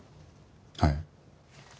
はい。